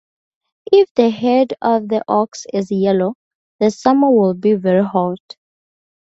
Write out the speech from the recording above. If the head of the ox is yellow, the summer will be very hot.